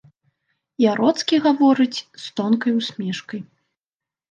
Яроцкі гаворыць з тонкай усмешкай.